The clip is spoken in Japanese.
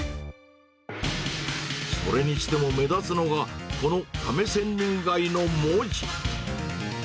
それにしても目立つのが、この亀仙人街の文字。